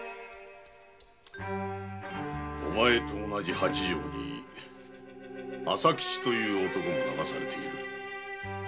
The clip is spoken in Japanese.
お前と同じ八丈島に「朝吉」という男が流されている。